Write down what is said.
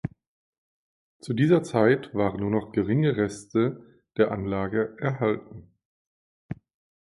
Zu dieser Zeit waren nur noch geringe Reste der Anlage erhalten.